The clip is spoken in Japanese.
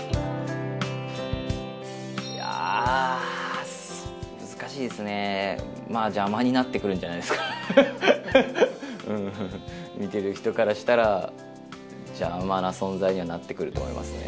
いや難しいですねんじゃないですか見てる人からしたら邪魔な存在にはなってくると思いますね